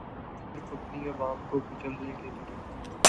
صرف اپنی عوام کو کچلنے کیلیے